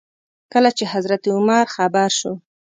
کله چې حضرت عمر خبر شو.